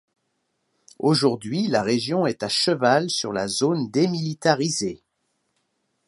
Aujourd'hui, la région est à cheval sur la zone démilitarisée.